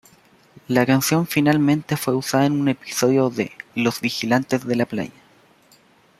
La canción finalmente fue usada en un episodio de "Los vigilantes de la playa".